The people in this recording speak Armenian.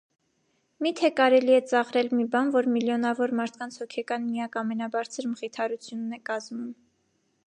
- Մի՞թե կարելի է ծաղրել մի բան, որ միլիոնավոր մարդկանց հոգեկան միակ ամենաբարձր մխիթարությունն է կազմում…